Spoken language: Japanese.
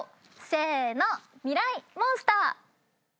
せーのミライ☆モンスター。